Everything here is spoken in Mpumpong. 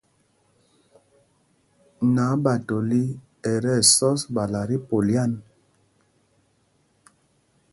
Naɓatoli ɛ tí ɛsɔs ɓala tí polyan.